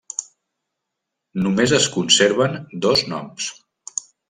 Només es conserven dos noms.